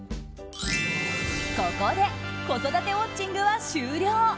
ここで子育てウォッチングは終了。